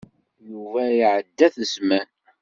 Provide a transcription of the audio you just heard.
Yuba iɛedda-t zzman.